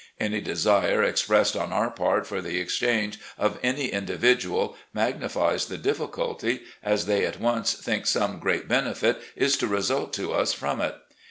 Any desire expressed on our part for the exchange of any individual magnifies the difiiculty, as they at once think some great benefit is to result to us from it.